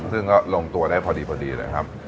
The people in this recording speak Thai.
ซึ่งก็ลงตัวได้พอดีเลยครับ